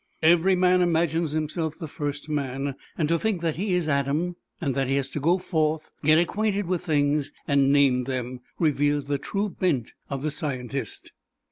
Every man imagines himself the first man, and to think that he is Adam and that he has to go forth, get acquainted with things and name them, reveals the true bent of the scientist.